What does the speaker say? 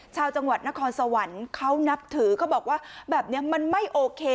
ชาวจังหวัดนครสวรรค์เขานับถือเขาบอกว่าแบบนี้มันไม่โอเค